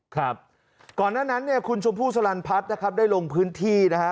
ครับก่อนหน้านั้นเนี่ยคุณชมพู่สลันพัฒน์นะครับได้ลงพื้นที่นะฮะ